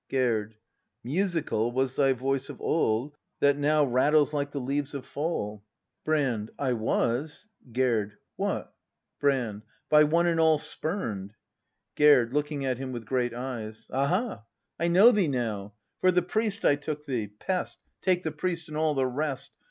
Gerd. Musical Was thy voice of old, that now Rattles like the leaves of Fall. [Going. 300 BRAND [act v Brand. I was Gerd. What? Spurn'd. Brand. By one and all Gerd. [Looking at him with great eyes.] Aha, — I know thee now! For the priest I took thee; — pest Take the priest and all the rest!